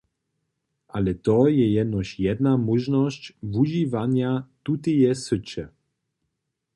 Ale to je jenož jedna móžnosć wužiwanja tuteje syće.